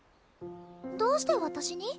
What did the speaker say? どうして私に？